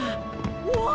うわ！